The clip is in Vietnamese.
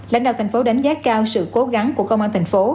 lãnh đạo thành phố đánh giá cao sự cố gắng của công an tp hcm